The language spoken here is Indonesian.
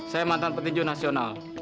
saya mantan petinjau nasional